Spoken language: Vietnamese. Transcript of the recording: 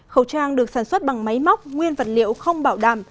khẩu trang được sản xuất bằng máy móc nguyên vật liệu không bảo đảm